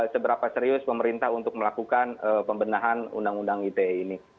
seberapa serius pemerintah untuk melakukan pembenahan undang undang ite ini